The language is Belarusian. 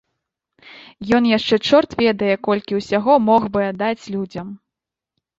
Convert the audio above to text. Ён яшчэ чорт ведае колькі ўсяго мог бы аддаць людзям.